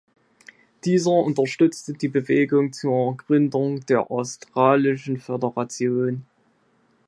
Dieser unterstützte die Bewegung zur Gründung der australischen Föderation.